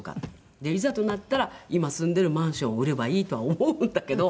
でいざとなったら今住んでいるマンションを売ればいいとは思うんだけど。